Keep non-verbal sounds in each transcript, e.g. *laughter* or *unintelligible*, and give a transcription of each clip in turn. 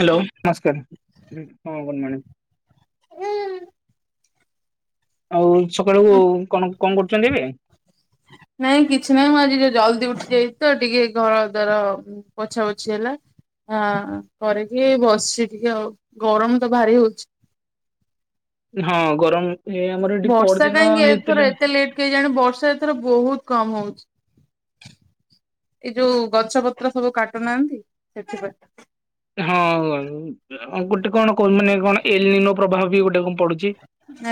Hello ନମସ୍କାର ହଁ good ମଣିିଂ। ନମସ୍କାର। ଆଉ ସକାଳୁ କଣ କଣ କରୁଛନ୍ତି ଏବେ? ନାଇଁ କିଛି ନାହିଁ ମୁଁ ଆଜି ଯୁ ଜଲଦି ଉଠି ଯାଇଛି ତ ଟିକେ ଘର ଦ୍ଵାର ପୋଛା ପୋଛି ହେଲା। ହଁ କରିକି ବସିଛି ଟିକେ ଆଉ ଗରମ ତ ଭାରି ହଉଛି। ହଁ ଗରମ ଏଇ ଆମର ଏଠି ବର୍ଷା ପର ଦିନ କାହିଁକି ଏଥର ହେଇଥିଲା। ଏତେ ଲେଟ୍ କେଜାଣି ବର୍ଷା ଏଥର ବହୁତ କମ୍ ହଉଛି। ଏଇ ଯୋଉ ଗଛ ପତ୍ର ସବୁ କାଟୁନାହାନ୍ତି ସେଥିପାଇଁ। ହଁ ଗୋଟେ କଣ କ ମାନେ କଣ ଏଲିନ ପ୍ରଭାବ ବି ଗୋଟେ କଣ ପଡୁଛି?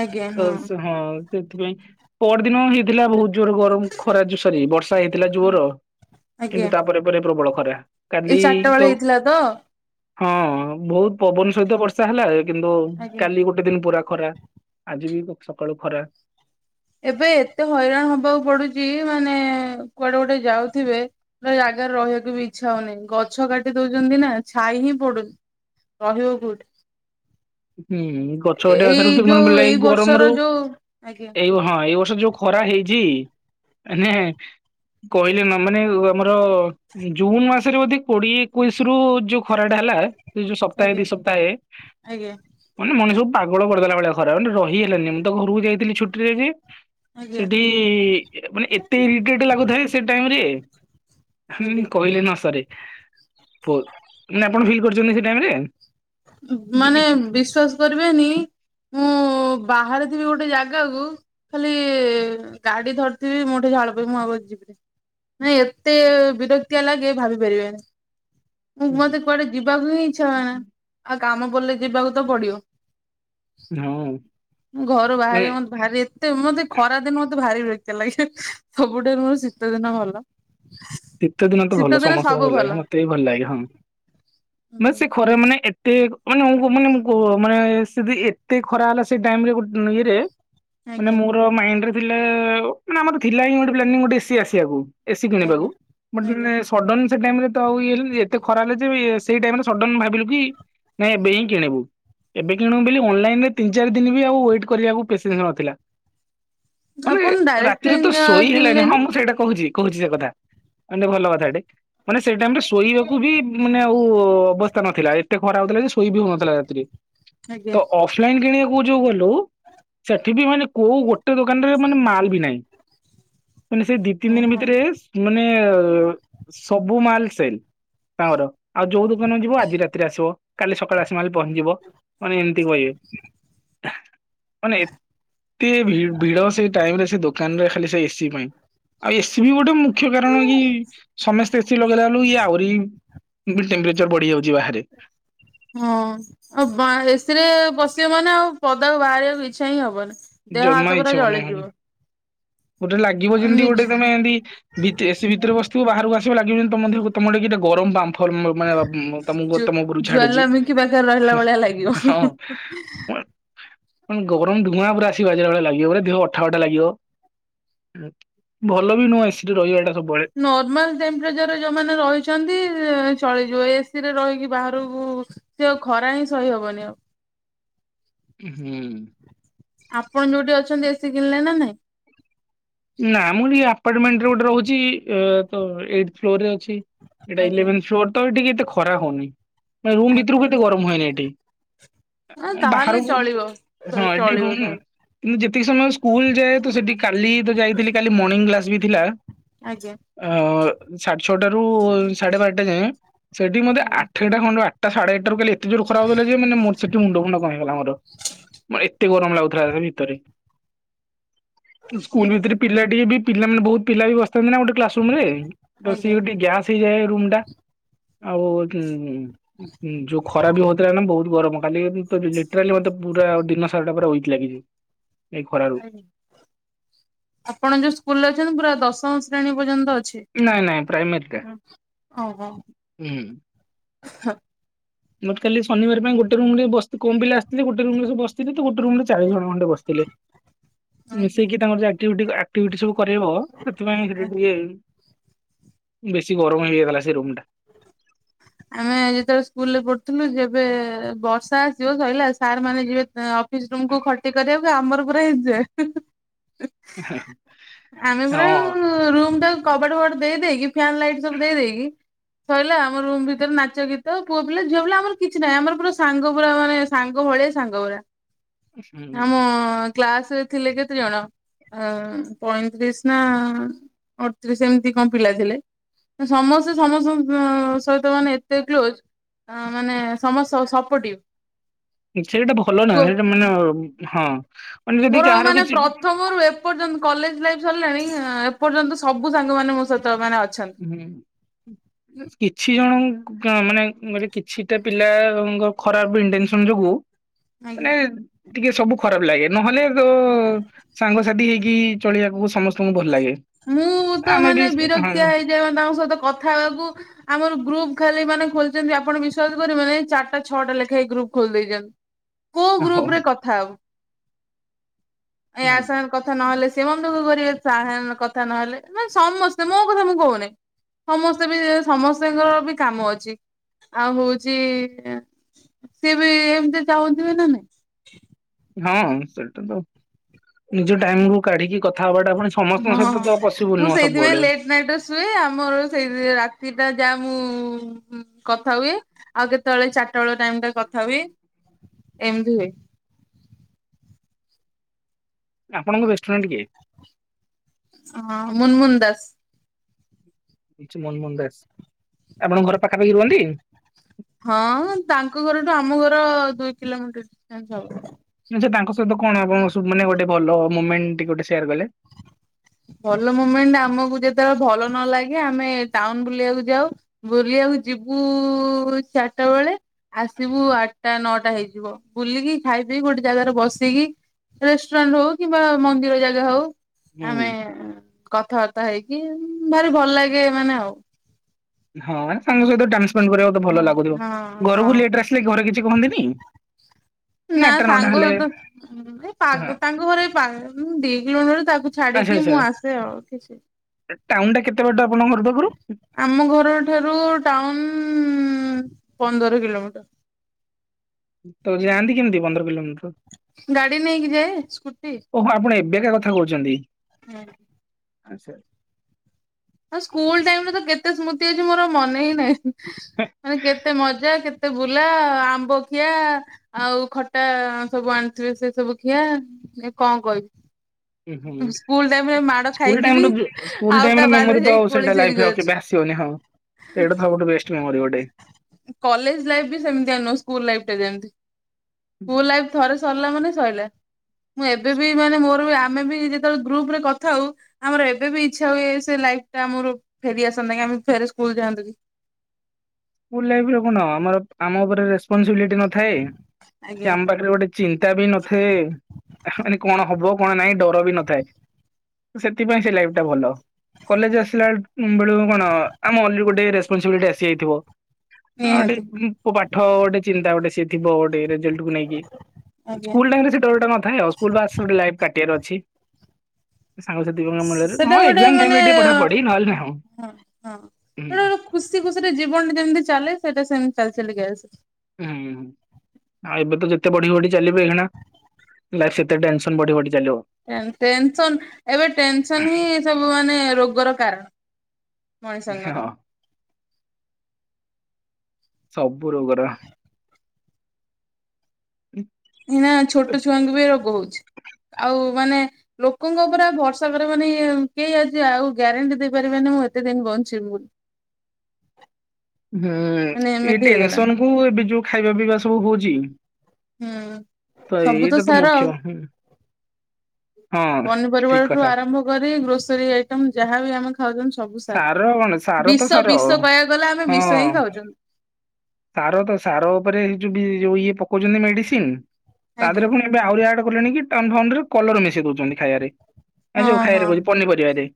ଆଜ୍ଞା ତ ହଁ। ସେ ହଁ ସେଥିପାଇଁ ପର ଦିନ ହିଁ ଥିଲା ବହୁତ ଜୋର ଗରମ ଖରା ସରି ବର୍ଷା ହେଇଥିଲା ଜୋର। ଆଜ୍ଞା କିନ୍ତୁ ତାପରେ ଏ ପରେ ପ୍ରବଳ ଖରା କାଲି ତ ତଳେ ହେଇଥିଲା ତ? ହଁ ବହୁତୁ ପବନ ସହିତ ବର୍ଷା ହେଲା କିନ୍ତୁ ଆଜ୍ଞା। କାଲି ଗୋଟେ ଗୋଟେ ଦିନ ପୁରା ଖରା ଆଜି ବି ସକାଳୁ ଖରା। ଏବେ ଏତେ ହଇରାଣ ହବାକୁ ପଡୁଛି ମାନେ କୁଆଡେ ଗୋଟେ ଯାଉଥିବେ। ପୁର ଜାଗାରେ ରହିବାକୁ ବି ଇଚ୍ଛା ହଉନିଁ ଗଛ କାଟି ଦଉଛନ୍ତି ନା ଛାଇ ହିଁ ପଡୁନି। ରହିବ କୁଠି? ହୁଁ ଗଛ କାଟିବା ଏଇ କଥାରୁ ମନେ ଯୋଉ ପଡ଼ିଲା ଏଇ ବର୍ଷର ଗରମରୁ ଯୋଉ ଆଜ୍ଞା ଏଇ ହଁ ଏଇ ବର୍ଷ ଯୋଉ ଖରା ହେଇଛି ନେ କହିଲେ ନା ମାନେ ଆମର ଜୁନ୍ ମାସରେ ବୋଧେ କୋଡିଏ ଏକୋଇଶ ରୁ ଯୁ ଖରାଟା ହେଲା ସେ ଯୁ ସପ୍ତାହେ ଆଜ୍ଞା ଦିଇ ସପ୍ତାହେ ଆଜ୍ଞା। ମାନେ ମଣିଷ କୁ ପାଗଳ କରିଦେଲା ଭଳିଆ ଖରାପ ମାନେ ରହି ହେଲାନି ମୁଁ ତ ଘରକୁ ଯାଇଥିଲି ଛୁଟିରେ ଯେ ଆଜ୍ଞା ସେଠି ମାନେ ଏତେ ଇରୀଟେଡେ ଲାଗୁଥାଏ ସେ ଟାଇମୀରେ। ହୁଁ ହୁଁ ନି ଆଜ୍ଞା କହିଲେ ନ ସରେ ପୋ ନା ଆପଣ ଫିଲ୍ କରିଛନ୍ତି ସେ ଟାଇରେ? ମାନେ ବିଶ୍ଵାସ କରିବେନି ମୁଁ ବାହାରିଥିବି ଗୋଟେ ଜାଗାକୁ ଖାଲି ଗାଡି ଧରିଥିବି ମୋ ଠିଝାଳ ପ ମୁଁ ଆଉ ଯିବିନି। ନାଇଁ ଏତେ ବିରକ୍ତିଆ ଲାଗେ ଭାବି ପାରିବେନି। ମୁଁ ମତେ କୁଆଡେ ଯିବାକୁ ହି ଇଚ୍ଛା ହୁଏନା। ଆଉ କାମ ବଲେ ଯିବାକୁ ତ ପଡିବ ହଁ ଘରୁ ମାନେ ବାହାରିବ ଭାରି ଏତେ ମତେ ଖରା ଦିନ ମତେ ଭାରି ବେକାର ଲାଗେ ସବୁଠାରୁ ମୋର ଶୀତ ଦିନ ଭଲ। ଶୀତ ଦିନ ତ ଭଲ ସମସ୍ତଙ୍କୁ ଭଲ ଲାଗେ ମତେ ଏତେ ଭଲ ଲାଗେ ହଁ ମ ହୁଁ ସେ ଖରା ମାନେ ଏତେ ମାନେ ମାନେ କ ମାନେ ସେଦି ଏତେ ଖରା ହେଲା ସେ ଟାଇମରେ ଗୋଟେ ଇଏରେ ମାନେ ଆଜ୍ଞା ମୋର ମାଇଣ୍ଡ ରେ ଥିଲା ମାନେ ଆମର ତ ଥିଲା ହିଁ ଗୋଟେ ପ୍ଲାନି ଗୋଟେ ଏସି ଆସିବାକୁ। ଏସିି ଆଜ୍ଞା। କିଣିବାକୁ ଆଜ୍ଞା *unintelligible* ସଡନ୍ ସେ ଟାଇମ ରେ ଆଉ ଇଏ ଏତେ ଖରା ହେଲେ ଯେ ସେଇ ଟାଇମରେ ସଡନ୍ ଭାବିଲୁ କି ନାଇଁ ଏବେ ହିଁ କିଣିବୁ। ଏବେ କିଣୁ ବୋଲି ଅନଲାଇନ ରେ ତିନ ଚାରି ଦିନ ବି ଆଉ ୱେଟ୍ କରିବାକୁ ପେସେନ୍ସ ନଥିଲା। ମାନେ ଆପଣ ଡାଇରେକ୍ଟ ରାତିରେ ତ ଶୋଇ ହେଲାଣିି କିଣିଲେନି ହଁ ମୁଁ ସେଇଟା କହୁଛି କହୁଛି ସେ କଥା। *unintelligible* ଭଲ କଥାଟେ ମାନେ ସେଇ ଟାଇମ ରେ ଶୋଇବାକୁ ବି ମାନେ ଆଉ ଅବ୍ ସ୍ତା ନଥିଲା ଏତେ ଖରା ହଉଥିଲା ଶୋଇ ବି ହଉନଥିଲା ରାତିିରେ ଆଜ୍ଞା ତ ଅଫଲାଇନ କିଣିବାକୁ ଯୋଉ ଗଲୁ ସେଠି ବି ମାନେ କୋଉ ଗୋଟେ ଦୋକାନ ରେ ମାନେ ମାଲ ବି ନାହିଁ। ମାନେ ସେଇ ଦି ତିି ଦିନ ଓହୋ। ଭିତରେ ମାନେ ସବୁ ମାଲ ସେଲ ତାଙ୍କର। ଆଉ ଯୋଉ ଦୋକାନରୁ ଯିବ ଆଜି ରାତିରେ ଆସିବ କାଲି ସକାଳେ ଆସି ମାଲ୍ ପହଞ୍ଚଯିବ ମାନେ ଏମିତି କହିବେ। ମାନେ ଏତେ ଭିଡ ସେ ଟାଇମ ରେ ସେ ଦୋକ ଦୋକାନ ରେ ଖାଲି ସେ ଏସିି ପାଇଁ ଆଉ ଏସିି ବି ଗୋଟେ ମୁ ମୁଖ୍ୟ କାରଣ କି ସମସ୍ତେ ଏସିି ଲଗେଇଲା ବେଲୁ ଇଏ ଆହୁରି ଟେମ୍ପରେଚର ବଢି ଯାଉଛି ବାହାରେ। ହଁ ଆଉ ଏସିରେ ବସିବ ମାନେ ଆଉ ପଦା ବାହାରିବାକୁ ଇଚ୍ଛା ହିଁ ହବନି। ଦେହ ଜମା ହାତ ପୁରା ଇଚ୍ଛା ହବନି ଜଳିଯିବ। *inaudible* ଗୋଟେ ଲାଗିବ ଯେମିତି ନି ଗୋଟେ ତମେତି ଭି ଏସି ଭିତରେ ବସିଥିବ ବାହାରକୁ ଆସିବ ଲାଗିବ ଯେମିତି ତମ ଦେହ ତମ ଟେ ଗଟେ ଗରମ ବାମ୍ଫ ମାନେ ତମକୁ ତମ ଉପରୁ ଛାଡୁଛି ଜ୍ୱାଲାମୁଖୀ ପାଖରେ ରହିଲା ଭଳିଆ ହଁ। ଲାଗିବ। ଗରମ ଧୁଆଁ ପୁରା *unintelligible* ବାଜିଲା ଭଳିଆ ଲାଗିବ ପ ଦେହ ଅଠାଟା ଲାଗିବ। ଭଲ ବି ନୁହଁ ସେଠି ରହିବାଟା ସବୁବେଳେ। ନର୍ମାଲ ଟେମ୍ପରେଚରରେ ଯୋଉମାନେ ରହିଛନ୍ତି ଚଳିଯିବ ଏସିରେ ରହିକି ବାହାରକୁ ସେ ଆଉ ଖରା ହିଁ ସହି ହବନି ଆଉ ହୁଁ। ଆପଣ ଯୋଉଠି ଅଛନ୍ତି ଏସିି କିଣିଲେ ନା ନାଇଁ? ନା ମୁଁ ଟ ଆପାର୍ଟମେଣ୍ଟରେ ଗୋଟେ ରହୁଛି ତ ଏଇଟି ଫ୍ଲୋରରେ ଅଛି। ଏଇଟା ଆଜ୍ଞା। ଇଲେଭେନ୍ ଫ୍ଲୋର ତ ଏଠିକି ଏତେ ଖରା ହଉନି ମାନ ରୁମ ଆଚ୍ଛା ଭିତରୁକୁ କେତେ ଆଚ୍ଛା ଗରମ ହୁଏନି ଏଠି। ହଁ ତାହେଲେ ବାହାରକୁ ଚଳିବ ହଁ ଏଠି ଚଳିବ ରୁମ୍ ତାହେଲେ କିନ୍ତୁ ଯେତିକି ସମୟ ସ୍କୁଲ ଯାଏ ତ ସେଠି କାଲି ତ ଯାଇଥିଲି କାଲି ମର୍ଣିଂ କ୍ଲାସ ବି ଥିଲା। ଆଜ୍ଞା ଅ ସାଢେ ଛଅଟାରୁ ସାଢେ ବାରଟା ଯାଏଁ ସେଠି ମତେ ଆଜ୍ଞା। ଆଠ ସେଟା ଖଣ୍ଡ ଆଠଟା ସାଢେ ଆଠଟା ରୁ କାଲି ଏତେ ଯୋର୍ ଖରା ହେଲା ଯେ ମାନ ମୋର ସେଠି ମୁଣ୍ଡ ଫୁଣ୍ଡ କଣ ହେଇଗଲା ମୋର। ଏ ଏତେ ଗରମ ଲାଗୁଥିଲା ସେ ଭିତରେ। ସ୍କୁଲ ଭିତରେ ଆଜ୍ଞା ପିଲା ଟିକେ ବି ପିଲାନେ ବହୁତ ପିଲା ବି ବସିଥାନ୍ତି ନା ଗୋଟେ କ୍ଲାସ୍ ରୁମ ରେ ତ ସିଏ ଆଜ୍ଞା ଗୋଟ ଗ୍ୟା ଆସିଯାଏ ରୁମ୍ ଟା ଆଉ ଯୋଉ ଖରା ବି ହଉଥିଲା ନା ବହୁତ ଗରମ କାଲି ଲିଟୋଲି ମତେ ପୁରା ଦିନ ସାରାଟା ପୁରା ଉଇକି ଲାଗିଛି। ଏଇ ଖରାରୁ। ଆପଣ ଯୋଉ ସ୍କୁଲରେ ଅଛନ୍ତି ପୁରା ଦଶମ ଶ୍ରେଣୀ ପର୍ଯ୍ୟନ୍ତ ଅଛି। ନାଇଁ ନାଇଁ ପ୍ରାଇମେରିଟା ଓହୋ ହଁ। ମତୋଲି ଶନିବାର ପାଇଁ ଗୋଟେ ରୁମରେ କମ୍ ପିଲା ଆସିଥିଲେ ଗୋଟେରେ ବସିଥିଲେ ତ ଗୋଟ ରୁମରେ ଚାଳିଶି ବସି ଥିଲେ। ଆଜ୍ଞା ମିଶେଇକି ତାଙ୍କର ଯୋ ଆକ୍ଟିଭିଟି ସବୁ କରାଇବ ସେଥିପାଇଁ ସେ ଆଜ୍ଞା। ଟିକ ବେଶୀ ଗରମ ହେଇଯାଇଥିଲା ସେ ରୁମଟା *inaudible* ଆମେ ଯେତେବେଳେ ସ୍କୁଲରେ ପଢୁଥିଲୁ ଯେବେ ବର୍ଷା ଆସିବ ସରିଲା ସାର୍ ମାନେ ଯିବେ ଅ ଅଫିସ ରୁମ୍ କୁ ଖଟି କରିବାକୁ ଆମର ପୁରା ଏଞ୍ଜୟ୍। ଆମେ ପୁରଉ ହଁ ରୁମ୍ ଟା କବାଟ ଫବାଟ ଦେଇକି ଫ୍ୟାନ ଲାଇଟ ସବୁ ଦେଇ ଦେଇକି ସରିଲା ଆମ ରୁମ୍ ଭିତ ନାଚ ଗୀତ ପୁଅ ପିଲା ଝିଅ ପିଲା ଆମର କିଛି ନାହିଁ ଆମର ପୁରା ସାଙ୍ଗ ପୁରା ମାନେ ସାଙ୍ଗ ଭଳିଆ ସାଙ୍ଗ ପୁରା *inaudible* ଆମ ହୁଁ। କ୍ଲାସରେ ଥିଲେ କେତେ ଜଣ? ଅ ପଇଁତିରିଶ ନା ଅଠତିରିଶ ଏମିତି କଣ ପିଲା ଥିଲେ? ସମସ୍ତେ ସମସ୍ତଙ୍କ ମ ସ ମାନେ ଏତେ କ୍ଲୋଜ ମାନେ ସମସ୍ତ ସପୋର୍ଟିଭ ସେଇଟା ଭଲ ନା କୁହ ସେଇଟା ମାନେ ହଁ ମାନେ ଯଦି ମୋର କାହାର ମାନେ କିଛି ପ୍ର ହୁଁ। ପ୍ରଥମରୁ ଏପର୍ଯ୍ୟନ୍ତ କଲେଜ ଲାଇଫ ସରିଲାଣି ଏପର୍ଯ୍ୟନ୍ତ ସବୁ ସାଙ୍ଗ ମାନ ମୋ ସହିତ ମାନେ ଅଛନ୍ତି। ହୁଁ କିଛି ଜଣଙ୍କୁ ମାନେ କହିଲି କିଛିଟା ପିଲାଙ୍କ ଖରାପ ଇଣ୍ଟେନସନ ଯୋଗୁ ଆଜ୍ଞା ମାନେ ଟିକେ ସବୁ ଖରାପ ଲାଗେ ନହେଲେ ତ ସାଙ୍ଗସାଥି ହେଇକି ଚଳିବାକୁ ସମସ୍ତଙ୍କୁ ଭଲ ଲାଗେ। ମୁଁ ତ ଆମେ ବି ମାନେ ହଁ ବିରକ୍ତିଆ ହେଇଯାଏ ତାଙ୍କ ସହିତ କଥା ହେବାକୁ ଆମର ଗ୍ରୁପ ଖାଲି ମାନେ ଖୋଲିଛନ୍ତି ଆପଣ ବିଶ୍ୱାସ କରିବେନି ମାନେ ଚାରିଟା ଛଅଟା ଲେଖା ହେଇ ଗ୍ରୁପ୍ ଖୋଲି ଦେଇଛନ୍ତି କୋଉ ହଁ ଗ୍ରୁପ ରେ କଥା ହବୁ ହୁଁ ଏାସ କଥା ନହେଲେ ସେ ମନ ଦୁଃଖ କରିବ ତା ସଙ୍ଗେ କଥା ନହେଲେ ମାନେ ସମସ୍ତେ ମୋ କଥା ମୁଁ କହୁନି ସମସ୍ତେ ବି ସମସ୍ତଙ୍କର ବି କାମ ଅଛି ଆଉ ହଉଛି ସିଏ ବି ଏମିତି ଚାହୁଥିବେ ନା ନାଇଁ ହଁ ସେଇଟା ତ ନିଜ ଟାଇମ ରୁ କାଢିକି କଥା ହବାଟା ପୁଣି ହଁଁ ସମସ୍ତଙ୍କ ସହିତ ତ ପସିବୁଲ ମୁଁ ନୁହଁ ସେଇଥିପାଇଁ ସବୁବେଳେ। ଲେଟ୍ ନାଇଟ ରେ ସୁଏ ଆମର ସେଇ ରାତି ଟା ଯାହା ମୁଁ କଥା ହୁଏ। ଆଉ କେତେବେଳେ ଚାରିଟା ବେଳ ଟାଇମ ଟା କଥା ହୁଏ ଏମିତି ହୁଏ। ଆପଣଙ୍କ ବେଷ୍ଟ ଫ୍ରେନଡ୍ କିଏ? ହଁ ମୁନମୁନ ଦାସ। ମନମୁନ ଦାସ ଆପଣଙ୍କ ଘର ପାଖାପାଖି ରୁହନ୍ତି? ହଁ ତାଙ୍କ ଘରଠୁ ଆମ ଘର ଦୁଇ କିଲୋମିଟର ଡିଷ୍ଟାନ୍ସ ହବ। ଆଚ୍ଛା ତାଙ୍କ ସହିତ କଣ ଆପଣ ମାନେ ଗୋଟେ ଭଲ ମୁମେଣ୍ଟ ଟିକେ ଗୋଟେ ସେୟାର କଲେ ଭଲ ମୁମେଣ୍ଟ ଆମକୁ ଯେତେବେଳେ ଭଲ ନ ଲାଗେ ଆମେ ଟାଉନ ବୁଲିବାକୁ ଯାଉ ବୁଲିବାକୁ ଯିବୁ ଚାରିଟା ବେଳେ ଆସିବୁ ଆଠଟା ନଅଟା ହେଇଯିବ ବୁଲିକି ଖାଇ ପିଇି ଗୋଟେ ଜାଗାରେ ବସିକି ରେଷ୍ଟୁରାଣ୍ଟ ହଉ କିମ୍ବା ମନ୍ଦିର ଜାଗା ହଉ ହୁଁ ଆମେ କଥାବାର୍ତ୍ତା ହେଇକି ଭାରି ଭଲ ଲାଗେ ମାନେ ଆଉ। ହଁ ସାଙ୍ଗ ସହିତ ଟାଇମ ସ୍ପେଣ୍ଡ କରିବାକୁ ଭଲ ହଁ ଲାଗୁଥିବ ହଁ ଘରକୁ ଲେଟ ଆସିଲେ ଘରେ କିଛି କୁହନ୍ତିନି? ନା ସାଙ୍ଗ ସହିତ ଏ ହଁ ତାଙ୍କ ଘରେ ପା ଦି କିଲୋ ମିଟର୍ ତାକୁ ଆଚ୍ଛା ଛାଡିକି ଆଚ୍ଛା। ମୁଁ ଆସେ ଆଉ କିଛି ଟାଉନ ଟା କେତେ ବାଟ ଆପଣଙ୍କ ଘର ପାଖରୁ? ଆମ ଘର ଠାରୁ ଟାଉନ ପନ୍ଦର କିଲୋମିଟର ତ ଯାଆନ୍ତି କେମିତି ପନ୍ଦର କିଲୋମିଟର? ଗାଡି ନେଇକି ଯାଏ ସ୍କୁଟି। ଓହୋ ଆପଣ ଏବେକା କଥା କହୁଛନ୍ତି? ଆଚ୍ଛା ଆଉ ସ୍କୁଲ ଟାଇମରେ ତ କେତେ ସ୍ମୃତି ଅଛି ମୋର ମନେ ହିଁ ନାହିଁ ହେ, ମାନେ କେତେ ମଜା କେତେ ଏତେ ବୁଲା ଆମ୍ବ ଖିଆ ଆଉ ଖଟା ସବୁ ଆଣିଥିବେ ସେ ସବୁ ଖିଆ ଏ କଣ କହିବି ହୁଁ ହୁଁ ସ୍କୁଲ ଟାଇମରେ ମାଡ ସ୍କୁଲ ଖାଇକି ଟାଇମ ବି ର ସ୍ଲ ଆଉ ଟାଇମ କାହା ବାଡିରେ ମେମୋରି ତ ଯାଇ ଆଉ କୋଳି ସେଇଟା ଚୋରି କରିଛି। ଲାଇ ଆନି ହଁ ଏଇଟା ସବୁ ବେଷ୍ଟ ମେମୋରି ଗୋଟେ। କଲେଜ ଲାଇଫ୍ ବି ସେମିତିଆ ନୁହଁ ସ୍କୁଲ ଲାଇଫ ଟା ଯେମିତି। ସ୍କୁଲ ଲାଇ ଥରେ ସରିଲା ମାନ ସରିଲା। ମୁଁ ଏବେ ବି ମାନେ ମୋର ଆମେ ବି ଯେତେବେଳେ ଗ୍ରୁପ ରେ କଥା ହଉ ଆମର ଏବେ ବି ଇଚ୍ଛା ହୁଏ ସେ ଲାଇଫ ଟା ଆମର ଫେରି ଆସନ୍ତା ଆମେ ଫେରେ ସ୍କୁଲ ଯାଆନ୍ତୁ କି। ଲାଇରେ କଣ ଆମର ଆମ ଉପରେ ରେପନସିବିଲିଟି ନଥାଏ। କି ଆଜ୍ଞା। ଆମ ପାଖରେ ଗୋଟେ ଚିନ୍ତା ବି ନଥାଏ। ମାନେ କଣ ହବ କଣ ନାାଇଁ ଡର ବି ନଥାଏ। ସେଥିପାଇଁ ସେ ଲାଇଫ ଟା ଭଲ। କଲେଜ ଆସିଲା ବେଳୁ କଣ ଆମ ଅ ଗୋଟେ ରେସପନସିବିଲିଟି ଆସିଯାଇଥିବ। ଗୋଟେ ନିହାତି ପାଠ ଗୋଟେ ଚିନ୍ତା ଗୋଟେ ସଏ ଥିବ ଗୋଟେ ରେଜଲ୍ଟ କୁ ନେଇକି। ଆଜ୍ଞା ସ୍ଲ ଟରେ ସେ ଡରଟା ନଥାଏ ଆଉ ସ୍ଲ ବାସ ଗ ଲାଇ କାଟିବାର ଅଛି। ସାଙ୍ଗସାଥି ମଣ୍ଡଳରେ ସେଟା ହଁ ଗୋଟେ ମାନେ ଟାଇରେ ଟିକେ ପଠା ପଢି ନହେଲେ ନାଁ ହଁ ହଁ। ହୁଁ। ଗୋଟେ ଗୋଟେ ଖୁସି ଖୁସିରେ ଜୀବନଟା ଯେମିତି ଚାଲେ ସେଇଟା ସେମତି ଚାଲି ଚାଲିକ ଆସ ହୁଁ। ଆଉ ଏବେ ତ ଯେତେ ବଢି ବଢି ଚାଲିବ ଅହେଣା ଲାଇଫ ସେତେ ଟେନସନ ବଢି ବଢି ଚାଲିବ। ଟେ ଟେନସନ ଏବେ ଟେନସନ ହିଁ ସବୁ ମାନେ ରୋଗର କାରଣ। ହଁ ମଣିଷଙ୍କର। ସବୁ ରୋଗର। ଏଇନା ଛୋଟ ଛୁଆଙ୍କୁ ବି ରୋଗ ହଉଛି ଆଉ ମାନେ ଲୋକଙ୍କ ଉପରେ ଆ ଭରସା କରିବନି ମାନେ କେହି ଆଜି ଆଉ ଗ୍ୟାରେଣ୍ଟି ଦେଇପାରିବେନି ମୁଁ ଏତେ ଦିନ ବଞ୍ଚିବି ବୋଲି। ହୁଁ ମାନେ ଏଇ ଏମିତି ହେଇଗଲାଣି ଟେନସନ କୁ ଏବେ ଯୋଉ ଖାଇବା ପିଇବା ସବୁ ହଉଚି। ହୁଁ ସବୁ ତ ସାର ମୁଖ୍ୟ ଆଉ। ହୁଁ। ହଁ ଠିକ ପନିପରିବାଠୁ କଥା ଆରମ୍ଭ କରି ଗ୍ରୋସରୀ ଆଇଟମ ଯାହାବ ଆମେ ଖାଉଛନ୍ତି ସ ସବୁ ସା ସାର କଣ ସାର ତ ବିଷ ସାର ହଁ ବିଷ କହିଆକୁ ଗଲେ ଆମେ ବିଷ ହିଁ ଖାଉଛୁ। ସାର ତ ସାର ଉପରେ ହି ଯୋଉ ବି ଯୋଉ ଇଏ ପକଉଛନ୍ତି ମେଡିସିନ? ତା ଆଜ୍ଞା ଦେହରେ ଫୁଣି ଏବେ ଆହୁରି ଆଡ କଲେଣି କି ଟାଉନ୍ ଫାଉନ ରେ କଲର ମିଶେଇ ଦଉଛନ୍ତି ଖାଇଆ ରେ। ଆ ହଁ ଯଉ ଖାଇଆରେ ହଁ କହୁଛି ହଁ। ପନିପରିଆ ରେ।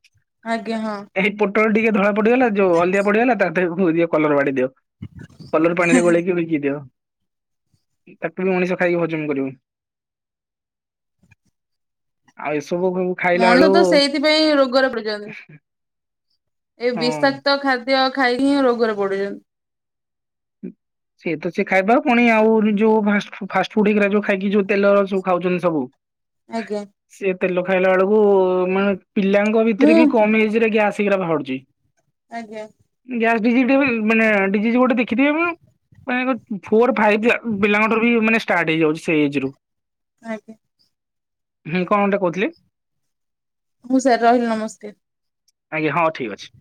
ଆଜ୍ଞା ହଁ। ଏଇ ପୋଟଳ ଟିକେ ଧଳା ପଡିଗଲା ଯୋଉ ହଲଦଆ ପଡିଗଲା ତା ଦେହେ ଦିଅ କଲର ବାଡେଇ ଦିଅ। କଲର ପାଣିରେ ଗୋଳେଇକି ବିକି ଦିଅ। ତାକୁ ବି ମଣିଷ ଖାଇକି ହଜମ କରିବୁ। ଆଉ ଏସବୁ ହଉ ମଣିଷ ତ ସେଇଥିପାଇଁ ରୋଗରେ ପଡିଚନ୍ତି। ଏଇ ହଁ ବିଷାକ୍ତ ଖାଦ୍ୟ ଖାଇ ହିଁ ରୋଗରେ ପଡୁଛନ୍ତି। ଉଁ ସେତ ସେ ଖାଇବା ପୁଣି ଆଉ ଯୋଉ ଫା ଫାଷ୍ଟ ଫୁଡ ହେଇ ଯୋଉ ଖାଇକି ଯୋଉ ତେଲର ସବୁ ଖାଉଛନ୍ତି ସବୁ। ଆଜ୍ଞା। ସେ ତେଲ ଖାଇଲା ଏଳକୁ ମାନେ ପିଲାଙ୍କ ଭିତରେ ମୁଁ ବି କମ ଏଜ ରେ ଗ୍ୟାସ ହେଇକିରା ବାହାରୁଛି। ଆଜ୍ଞା। ଗ୍ୟାସ ଡିଜିଜି ମାନେ ଡିଜି ଗୋଟେ ଦେ ଦେଖି *unintelligible* ମାନେ ଫୋର ଫାଇଭ ପିଲାଙ୍କଟାରୁ ବି ମାନେ ଷ୍ଟାର୍ଟ ହେଇଯାଉଛି ସେଇ ଏଜ ରୁ। ଆଜ୍ଞା। ହୁଁ କଣ ଗୋଟେ କହୁଥିଲି? ମୁ ସାର୍ ରହିଲି ନାମସ୍କାର। ଆଜ୍ଞା ଠିକ ଅଛି।